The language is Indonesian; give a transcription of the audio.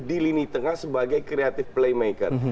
di lini tengah sebagai creative playmaker